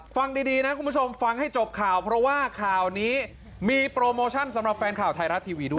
ฟังดีนะคุณผู้ชมฟังให้จบข่าวเพราะว่าข่าวนี้มีโปรโมชั่นสำหรับแฟนข่าวไทยรัฐทีวีด้วย